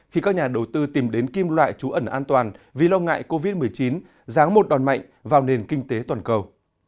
khi các nhà đầu tư tìm đến kim loại trú ẩn an toàn vì lo ngại covid một mươi chín ráng một đòn mạnh vào nền kinh tế toàn cầu